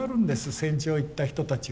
戦場へ行った人たちは。